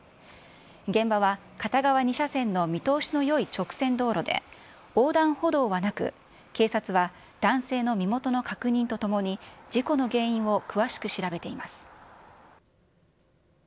現場は片側２車線の見通しのよい直線道路で、横断歩道はなく、警察は男性の身元の確認とともに、事故の原因を詳しく調べています。